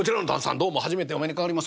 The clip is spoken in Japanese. どうも初めてお目にかかります。